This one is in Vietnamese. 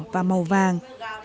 và màu vàng